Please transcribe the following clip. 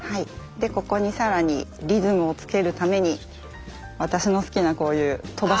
でここに更にリズムをつけるために私の好きなこういう飛ばし。